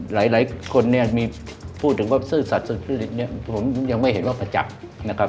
หลายคนเนี่ยมีพูดถึงว่าซื่อสัตว์สุจริตเนี่ยผมยังไม่เห็นว่าประจักษ์นะครับ